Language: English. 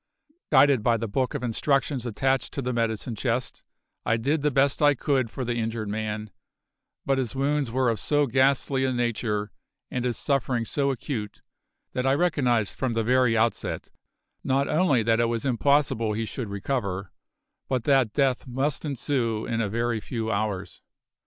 Guided by the book of instructions attached to the medicine chest, I did the best I could for the injured man; but his wounds were of so ghastly a nature, and his suffering so acute, that I recognised from the very outset, not only that it was impossible he should recover, but that death must ensue in a very few hours.